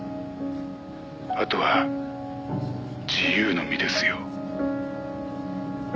「あとは自由の身ですよ」